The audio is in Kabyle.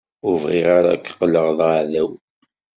Ur bɣiɣ ara ad k-qqleɣ d aɛdaw.